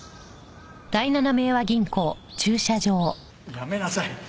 やめなさい！